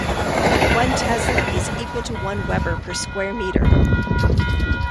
One tesla is equal to one weber per square metre.